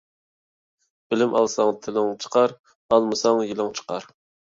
بىلىم ئالساڭ تىلىڭ چىقار، ئالمىساڭ يېلىڭ چىقار.